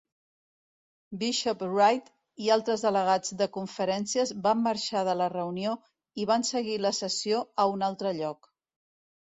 Bishop Wright i altres delegats de conferències van marxar de la reunió i van seguir la sessió a un altre lloc.